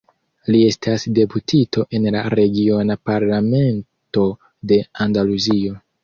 Li estas deputito en la regiona Parlamento de Andaluzio.